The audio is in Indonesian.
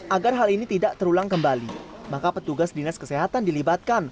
agar hal ini tidak terulang kembali maka petugas dinas kesehatan dilibatkan